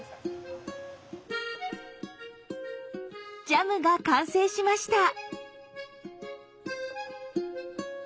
ジャムが完成しました。